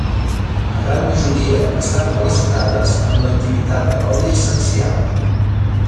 La gran majoria estan relacionades amb l'activitat de l'oli essencial.